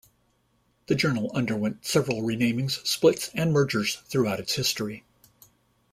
The journal underwent several renamings, splits, and mergers throughout its history.